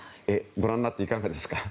ご覧になって、いかがですか？